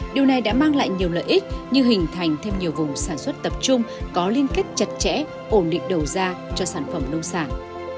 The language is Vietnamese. điều này đã mang lại nhiều lợi ích như hình thành thêm nhiều vùng sản xuất tập trung có liên kết chặt chẽ ổn định đầu ra cho sản phẩm nông sản